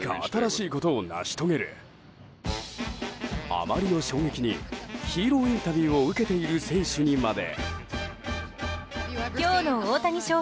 あまりの衝撃にヒーローインタビューを受けている選手にまで。